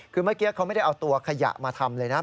คือเมื่อกี้เขาไม่ได้เอาตัวขยะมาทำเลยนะ